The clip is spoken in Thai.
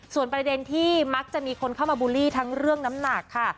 ส่วนประเด็นที่มักจะมีคนเข้ามาบูลลี่ทั้งเรื่องน้ำหนักค่ะ